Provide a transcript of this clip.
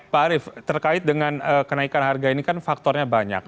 pak arief terkait dengan kenaikan harga ini kan faktornya banyak